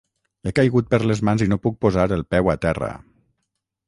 He caigut per les mans i no puc posar el peu a terra.